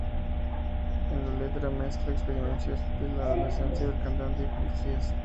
En la letra, mezcla experiencias de la adolescencia del cantante y fantasías.